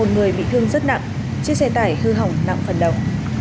một người bị thương rất nặng chiếc xe tải hư hỏng nặng phần đầu